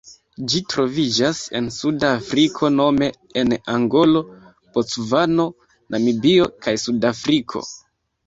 Ĝi troviĝas en Suda Afriko nome en Angolo, Bocvano, Namibio kaj Sudafriko.